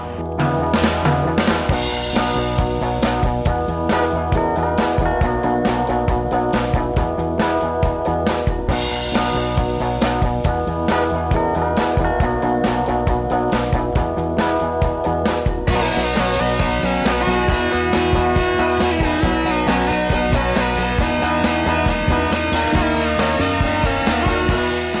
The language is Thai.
สวัสดีครับสวัสดีครับ